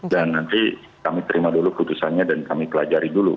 dan nanti kami terima dulu putusannya dan kami pelajari dulu